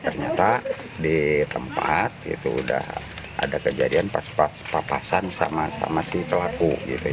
ternyata di tempat itu sudah ada kejadian pas pas papasan sama sama si pelaku